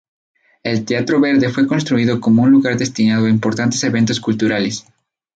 El Teatro Verde fue construido como un lugar destinado a importantes eventos culturales.